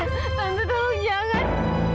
tante tolong jangan